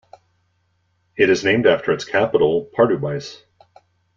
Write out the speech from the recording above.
It is named after its capital Pardubice.